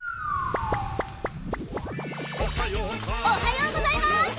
おはようございます！